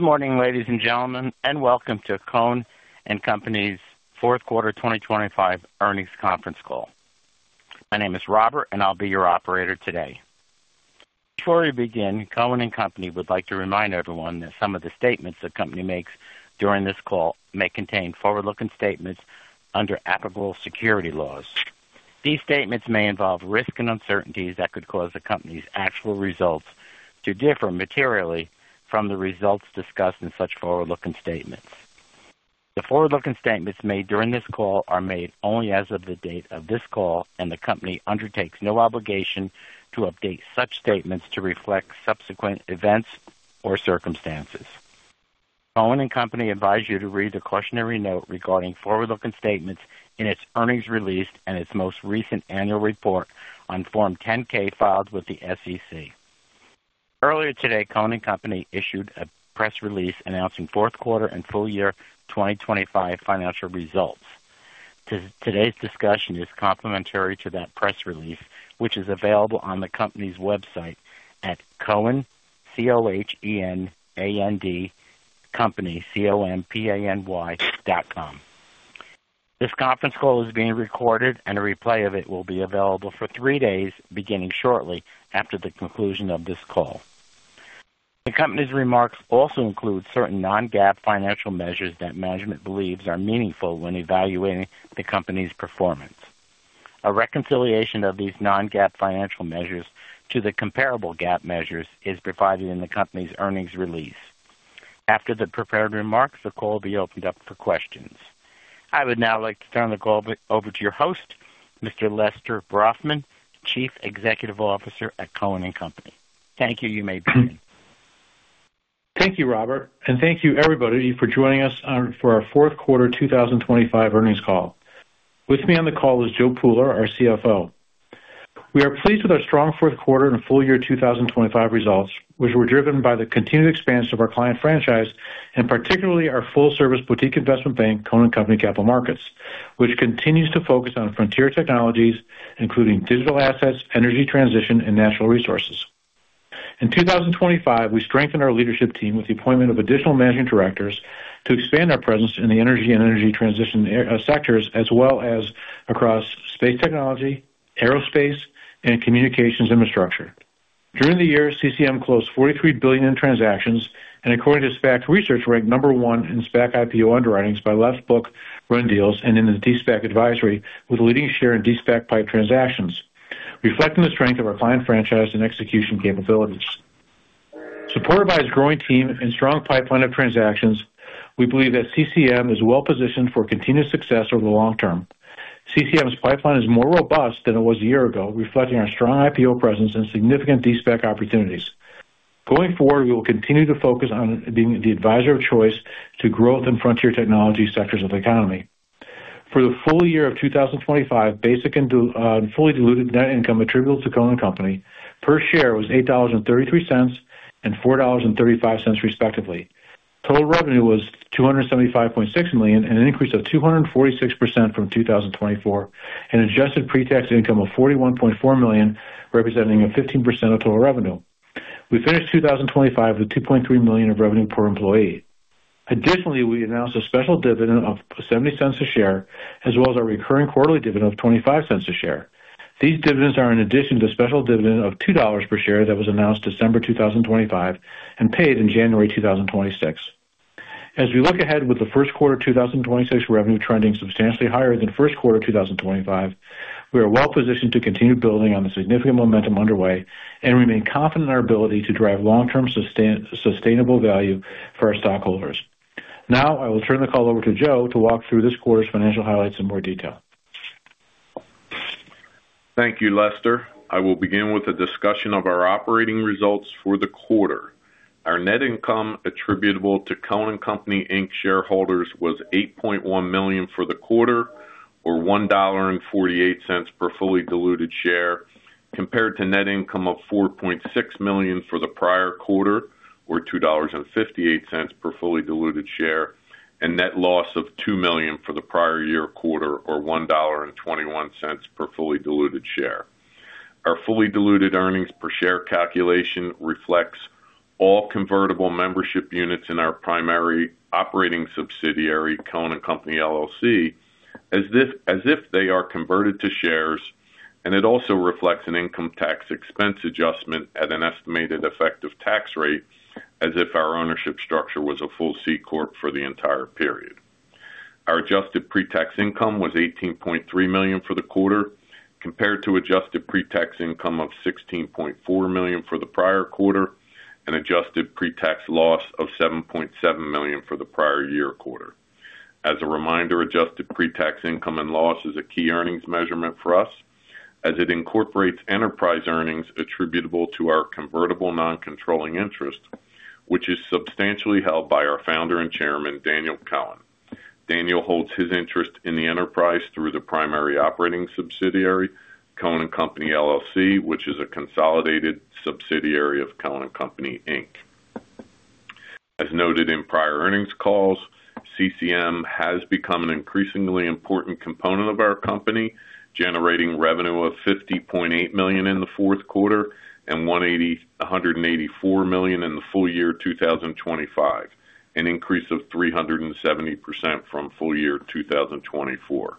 Good morning, ladies and gentlemen, welcome to Cohen & Company's fourth quarter 2025 earnings conference call. My name is Robert and I'll be your operator today. Before we begin, Cohen & Company would like to remind everyone that some of the statements the company makes during this call may contain forward-looking statements under applicable security laws. These statements may involve risks and uncertainties that could cause the company's actual results to differ materially from the results discussed in such forward-looking statements. The forward-looking statements made during this call are made only as of the date of this call, and the company undertakes no obligation to update such statements to reflect subsequent events or circumstances. Cohen & Company advise you to read the cautionary note regarding forward-looking statements in its earnings release and its most recent annual report on Form 10-K filed with the SEC. Earlier today, Cohen & Company issued a press release announcing fourth quarter and full year 2025 financial results. Today's discussion is complementary to that press release, which is available on the company's website at Cohen, C-O-H-E-N, and Company, C-O-M-P-A-N-Y com. This conference call is being recorded and a replay of it will be available for three days beginning shortly after the conclusion of this call. The company's remarks also include certain non-GAAP financial measures that management believes are meaningful when evaluating the company's performance. A reconciliation of these non-GAAP financial measures to the comparable GAAP measures is provided in the company's earnings release. After the prepared remarks, the call will be opened up for questions. I would now like to turn the call over to your host, Mr. Lester Brafman, Chief Executive Officer at Cohen & Company. Thank you. You may begin. Thank you, Robert, thank you everybody for joining us on for our fourth quarter 2025 earnings call. With me on the call is Joe Pooler, our CFO. We are pleased with our strong fourth quarter and full year 2025 results, which were driven by the continued expansion of our client franchise and particularly our full service boutique investment bank, Cohen & Company Capital Markets, which continues to focus on frontier technologies including digital assets, energy transition and natural resources. In 2025, we strengthened our leadership team with the appointment of additional managing directors to expand our presence in the energy and energy transition sectors as well as across space technology, aerospace and communications infrastructure. During the year, CCM closed $43 billion in transactions and according to SPAC Research, ranked number 1 in SPAC IPO underwritings by left bookrunner deals and in the de-SPAC advisory, with a leading share in de-SPAC PIPE transactions, reflecting the strength of our client franchise and execution capabilities. Supported by its growing team and strong pipeline of transactions, we believe that CCM is well positioned for continued success over the long term. CCM's pipeline is more robust than it was a year ago, reflecting our strong IPO presence and significant de-SPAC opportunities. Going forward, we will continue to focus on being the advisor of choice to growth in frontier technology sectors of the economy. For the full year of 2025, basic and fully diluted net income attributable to Cohen & Company per share was $8.33 and $4.35 respectively. Total revenue was $275.6 million, an increase of 246% from 2024, and adjusted pre-tax income of $41.4 million, representing a 15% of total revenue. We finished 2025 with $2.3 million of revenue per employee. Additionally, we announced a special dividend of $0.70 a share as well as our recurring quarterly dividend of $0.25 a share. These dividends are in addition to special dividend of $2 per share that was announced December 2025 and paid in January 2026. As we look ahead with the first quarter 2026 revenue trending substantially higher than first quarter 2025, we are well positioned to continue building on the significant momentum underway and remain confident in our ability to drive long-term sustainable value for our stockholders. Now I will turn the call over to Joe to walk through this quarter's financial highlights in more detail. Thank you, Lester. I will begin with a discussion of our operating results for the quarter. Our net income attributable to Cohen & Company Inc. shareholders was $8.1 million for the quarter, or $1.48 per fully diluted share, compared to net income of $4.6 million for the prior quarter, or $2.58 per fully diluted share, and net loss of $2 million for the prior year quarter, or $1.21 per fully diluted share. Our fully diluted earnings per share calculation reflects all convertible membership units in our primary operating subsidiary, Cohen & Company, LLC, as if they are converted to shares. It also reflects an income tax expense adjustment at an estimated effective tax rate as if our ownership structure was a full C corp for the entire period. Our adjusted pre-tax income was $18.3 million for the quarter, compared to adjusted pre-tax income of $16.4 million for the prior quarter and adjusted pre-tax loss of $7.7 million for the prior year quarter. As a reminder, adjusted pre-tax income and loss is a key earnings measurement for us as it incorporates enterprise earnings attributable to our convertible non-controlling interest, which is substantially held by our founder and Chairman, Daniel Cohen. Daniel holds his interest in the enterprise through the primary operating subsidiary, Cohen & Company, LLC, which is a consolidated subsidiary of Cohen & Company Inc. As noted in prior earnings calls, CCM has become an increasingly important component of our company, generating revenue of $50.8 million in the fourth quarter and $184 million in the full year 2025, an increase of 370% from full year 2024.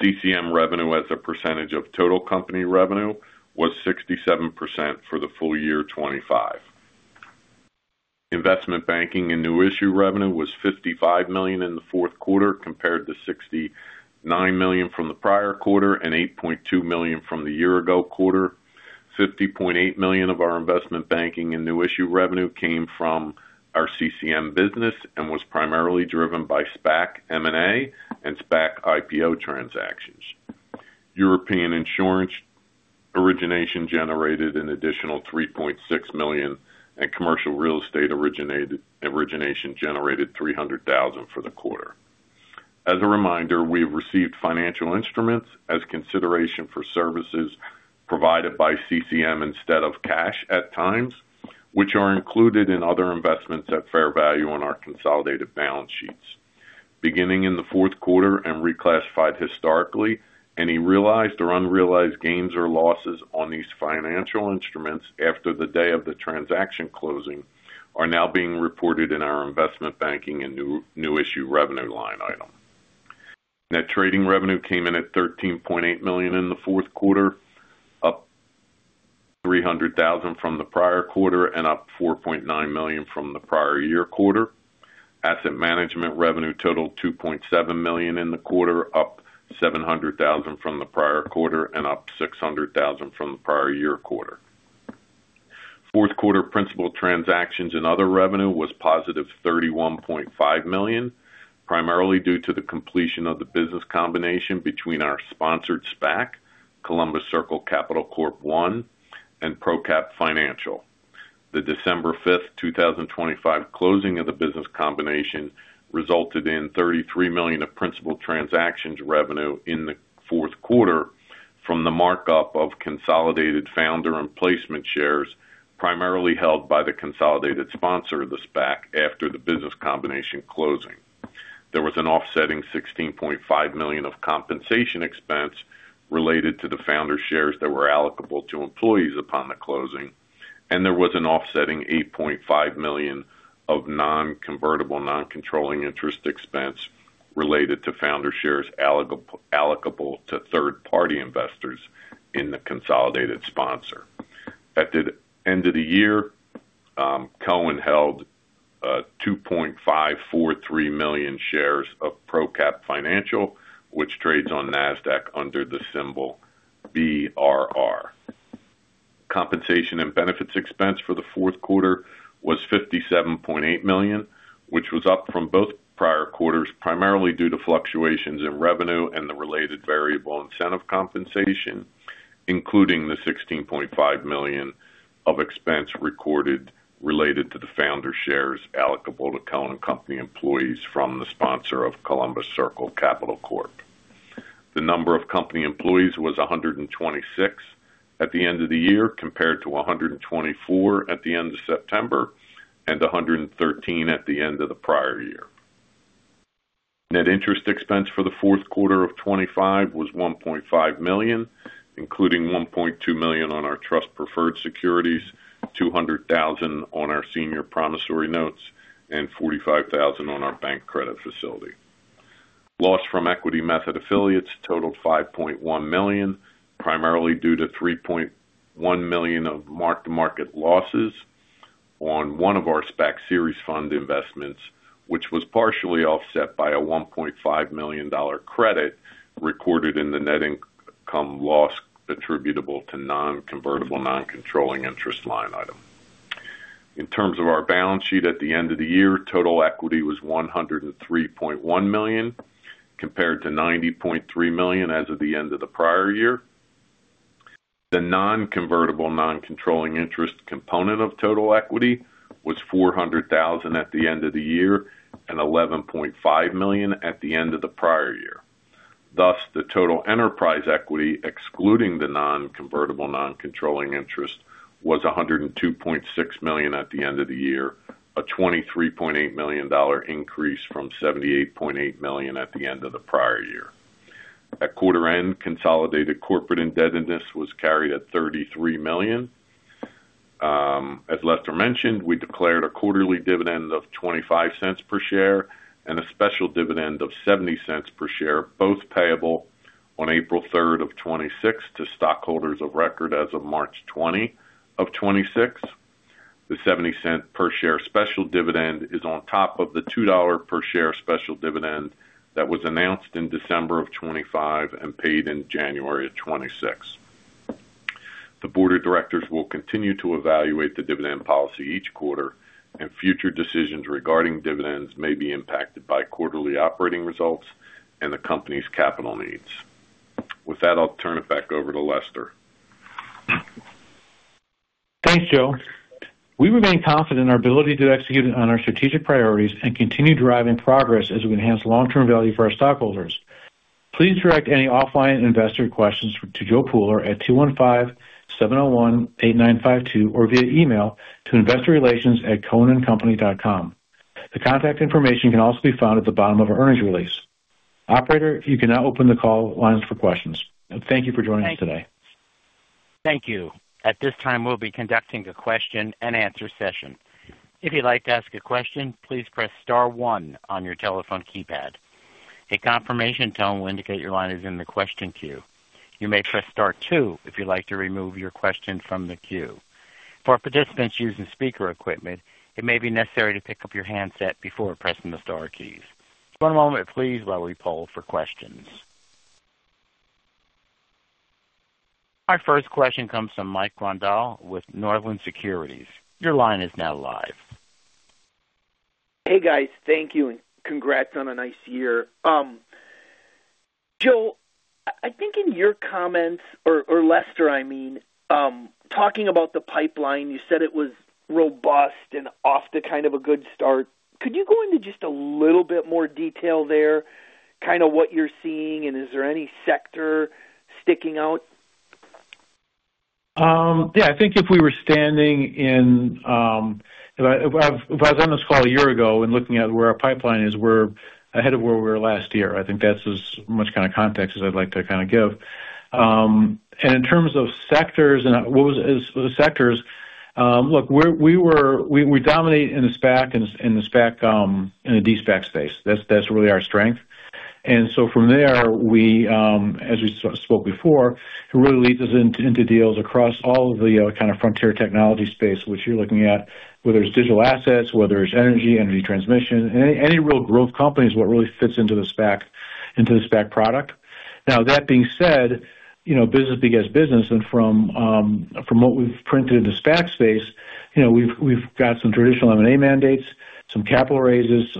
CCM revenue as a percentage of total company revenue was 67% for the full year 2025. Investment banking and new issue revenue was $55 million in the fourth quarter compared to $69 million from the prior quarter and $8.2 million from the year ago quarter. $50.8 million of our investment banking and new issue revenue came from our CCM business and was primarily driven by SPAC M&A and SPAC IPO transactions. European insurance origination generated an additional $3.6 million, and commercial real estate origination generated $300,000 for the quarter. As a reminder, we have received financial instruments as consideration for services provided by CCM instead of cash at times, which are included in other investments at fair value on our consolidated balance sheets. Beginning in the fourth quarter and reclassified historically, any realized or unrealized gains or losses on these financial instruments after the day of the transaction closing are now being reported in our investment banking and new issue revenue line item. Net trading revenue came in at $13.8 million in the fourth quarter, up $300,000 from the prior quarter and up $4.9 million from the prior year quarter. Asset management revenue totaled $2.7 million in the quarter, up $700,000 from the prior quarter and up $600,000 from the prior year quarter. Fourth quarter principal transactions and other revenue was positive $31.5 million, primarily due to the completion of the business combination between our sponsored SPAC, Columbus Circle Capital Corp I and ProCap Financial. The December 5, 2025 closing of the business combination resulted in $33 million of principal transactions revenue in the fourth quarter from the markup of consolidated founder and placement shares primarily held by the consolidated sponsor of the SPAC after the business combination closing. There was an offsetting $16.5 million of compensation expense related to the founder shares that were allocable to employees upon the closing. There was an offsetting $8.5 million of non-convertible, non-controlling interest expense related to founder shares allocable to third-party investors in the consolidated sponsor. At the end of the year, Cohen held 2.543 million shares of ProCap Financial, which trades on NASDAQ under the symbol BRR. Compensation and benefits expense for the fourth quarter was $57.8 million, which was up from both prior quarters, primarily due to fluctuations in revenue and the related variable incentive compensation, including the $16.5 million of expense recorded related to the founder shares allocable to Cohen & Company employees from the sponsor of Columbus Circle Capital Corp. The number of company employees was 126 at the end of the year compared to 124 at the end of September and 113 at the end of the prior year. Net interest expense for the fourth quarter of 2025 was $1.5 million, including $1.2 million on our trust preferred securities, $200,000 on our senior promissory notes, and $45,000 on our bank credit facility. Loss from equity method affiliates totaled $5.1 million, primarily due to $3.1 million of mark-to-market losses on one of our SPAC series fund investments, which was partially offset by a $1.5 million credit recorded in the net income loss attributable to non-convertible, non-controlling interest line item. In terms of our balance sheet at the end of the year, total equity was $103.1 million compared to $90.3 million as of the end of the prior year. The non-convertible, non-controlling interest component of total equity was $400,000 at the end of the year and $11.5 million at the end of the prior year. Thus, the total enterprise equity, excluding the non-convertible, non-controlling interest, was $102.6 million at the end of the year, a $23.8 million increase from $78.8 million at the end of the prior year. At quarter end, consolidated corporate indebtedness was carried at $33 million. As Lester mentioned, we declared a quarterly dividend of $0.25 per share and a special dividend of $0.70 per share, both payable on April 3rd, 2026 to stockholders of record as of March 20, 2026. The $0.70 per share special dividend is on top of the $2 per share special dividend that was announced in December 2025 and paid in January 2026. The board of directors will continue to evaluate the dividend policy each quarter, and future decisions regarding dividends may be impacted by quarterly operating results and the company's capital needs. With that, I'll turn it back over to Lester. Thanks, Joe. We remain confident in our ability to execute on our strategic priorities and continue driving progress as we enhance long-term value for our stockholders. Please direct any offline investor questions to Joe Pooler at 215-701-8952 or via email to investorrelations@cohenandcompany.com. The contact information can also be found at the bottom of our earnings release. Operator, you can now open the call lines for questions. Thank you for joining us today. Thank you. At this time, we'll be conducting a question-and-answer session. If you'd like to ask a question, please press star one on your telephone keypad. A confirmation tone will indicate your line is in the question queue. You may press star two if you'd like to remove your question from the queue. For participants using speaker equipment, it may be necessary to pick up your handset before pressing the star keys. One moment please while we poll for questions. Our first question comes from Michael Grondahl with Northland Securities. Your line is now live. Hey, guys. Thank you, and congrats on a nice year. Joe, I think in your comments or Lester, I mean, talking about the pipeline, you said it was robust and off to kind of a good start. Could you go into just a little bit more detail there, kind of what you're seeing, and is there any sector sticking out? Yeah. I think if I was on this call a year ago and looking at where our pipeline is, we're ahead of where we were last year. I think that's as much kinda context as I'd like to kinda give. In terms of sectors and what was, as the sectors, look, we dominate in the SPAC and in the De-SPAC space. That's really our strength. From there, we, as we spoke before, it really leads us into deals across all of the kind of frontier technology space which you're looking at, whether it's digital assets, whether it's energy transition. Any real growth company is what really fits into the SPAC product. Now, that being said, you know, business begets business. From what we've printed in the SPAC space, you know, we've got some traditional M&A mandates, some capital raises,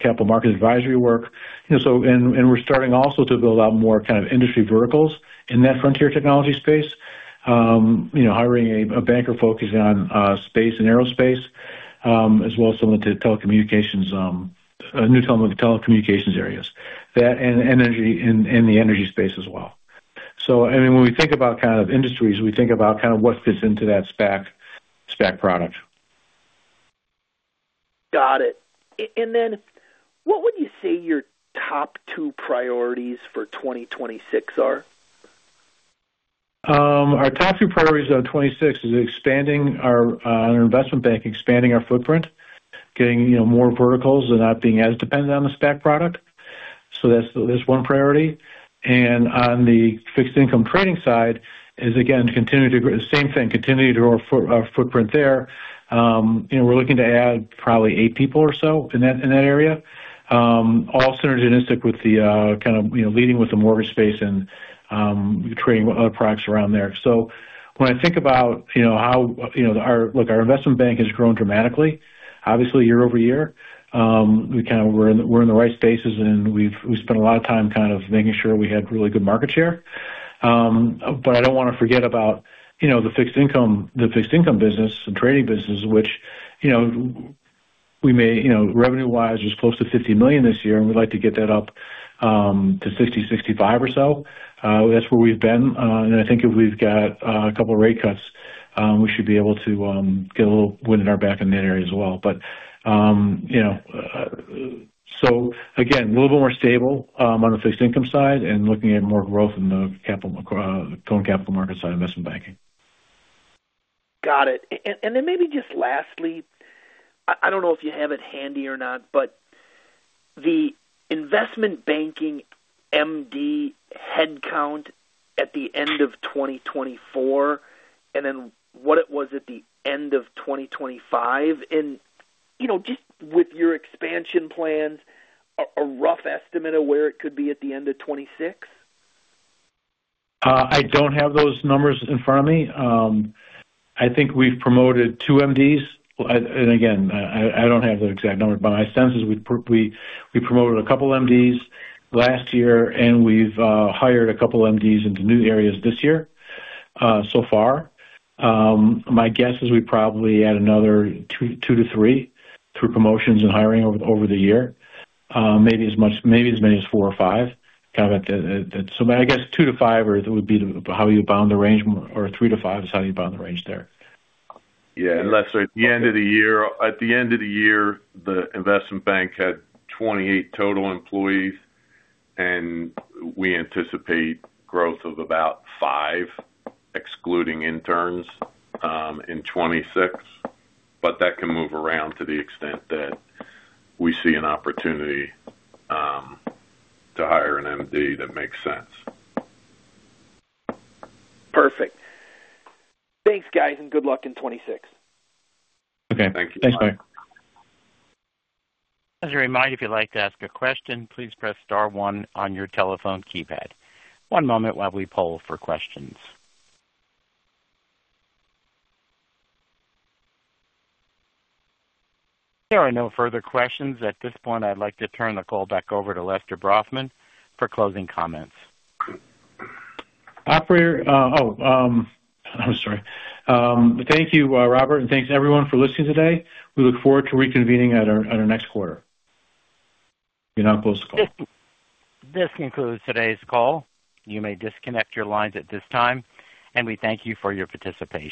capital markets advisory work. You know, and we're starting also to build out more kind of industry verticals in that frontier technology space. You know, hiring a banker focused on space and aerospace, as well as someone to telecommunications, new telecommunications areas. That and energy in the energy space as well. I mean, when we think about kind of industries, we think about kind of what fits into that SPAC product. Got it. What would you say your top two priorities for 2026 are? Our top two priorities on 2026 is expanding our on our investment bank, expanding our footprint, getting, you know, more verticals and not being as dependent on the SPAC product. That's one priority. On the fixed income trading side is again, continue to grow our footprint there. You know, we're looking to add probably eight people or so in that, in that area, all synergistic with the kind of, you know, leading with the mortgage space and trading other products around there. When I think about, you know, how, you know, our Look, our investment bank has grown dramatically, obviously year-over-year. We kind of we're in the right spaces, and we've spent a lot of time kind of making sure we had really good market share. I don't wanna forget about, you know, the fixed income business and trading business, which, you know, we may, you know, revenue-wise was close to $50 million this year, and we'd like to get that up to $60 million, $65 million or so. That's where we've been. I think if we've got a couple rate cuts, we should be able to get a little wind at our back in that area as well. You know, again, a little more stable on the fixed income side and looking at more growth in the Cohen Capital Markets side, investment banking. Got it. Then maybe just lastly, I don't know if you have it handy or not, but the investment banking MD headcount at the end of 2024 and then what it was at the end of 2025 and, you know, just with your expansion plans, a rough estimate of where it could be at the end of 2026? I don't have those numbers in front of me. I think we've promoted 2 MDs. Again, I don't have the exact numbers, but my sense is we promoted a couple MDs last year, and we've hired a couple MDs into new areas this year, so far. My guess is we probably add another 2-3 through promotions and hiring over the year. Maybe as much, maybe as many as 4 or 5, kind of at the... I guess 2-5 are, would be the, how you bound the range, or 3-5 is how you bound the range there. Yeah. Lester, at the end of the year, the investment bank had 28 total employees, we anticipate growth of about 5, excluding interns, in 2026. That can move around to the extent that we see an opportunity to hire an MD that makes sense. Perfect. Thanks, guys, and good luck in 2026. Okay. Thanks. Thanks, Mike. As a reminder, if you'd like to ask a question, please press star 1 on your telephone keypad. One moment while we poll for questions. There are no further questions. At this point, I'd like to turn the call back over to Lester Brafman for closing comments. I'm sorry. Thank you, Robert, and thanks everyone for listening today. We look forward to reconvening at our next quarter. You can now close the call. This concludes today's call. You may disconnect your lines at this time. We thank you for your participation.